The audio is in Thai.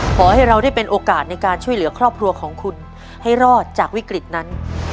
ขอให้เราได้เป็นโอกาสในการช่วยเหลือครอบครัวของคุณให้รอดจากวิกฤตนั้น